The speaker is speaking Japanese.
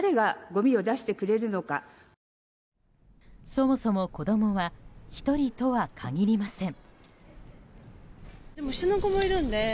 そもそも子供は１人とは限りません。